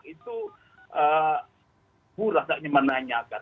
itu kurang saja menanyakan